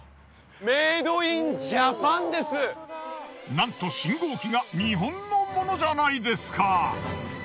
なんと信号機が日本のものじゃないですか。